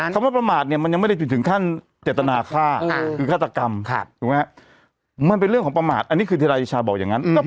แกะตั้งทงเลยแบบนั้น